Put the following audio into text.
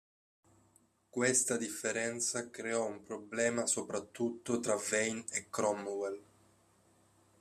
Questa differenza creò un problema soprattutto tra Vane e Cromwell.